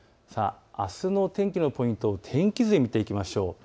あすの天気のポイントを天気図で見ていきましょう。